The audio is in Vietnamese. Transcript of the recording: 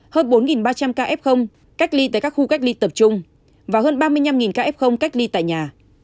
hơn bốn ba trăm linh kf cách ly tại các khu cách ly tập trung và hơn ba mươi năm kf cách ly tại nhà